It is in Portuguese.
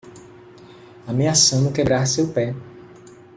Ameaçando quebrar seu pé